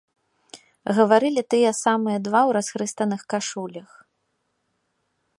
Гаварылі тыя самыя два ў расхрыстаных кашулях.